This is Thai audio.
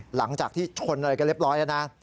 หลังจากที่ชนอะไรกันเรียบร้อยแล้วนะ